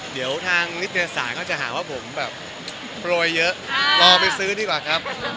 เดี๋ยวทางนิตยสารเขาจะหาว่าผมแบบโปรยเยอะรอไปซื้อดีกว่าครับ